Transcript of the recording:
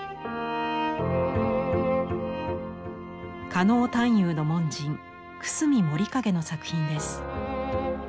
狩野探幽の門人久隅守景の作品です。